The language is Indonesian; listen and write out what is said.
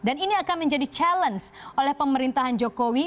dan ini akan menjadi challenge oleh pemerintahan jokowi